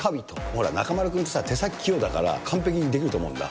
ほら、中丸君って手先器用だから、完璧にできると思うんだ。